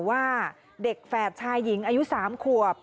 ว่าเด็กแฝดชายหญิงอายุ๓ขวบ